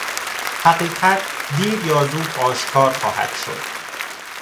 حقیقت دیر یا زود آشکار خواهد شد.